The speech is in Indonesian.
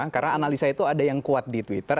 karena analisa itu ada yang kuat di twitter